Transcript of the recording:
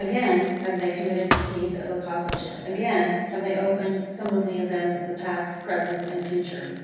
Again have they committed the keys of Apostleship. Again have they opened some of the events of the past, present, and future.